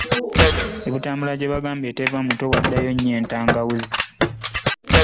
E Butambala gye bagamba etava muto waddayo nnyo entangawuzi.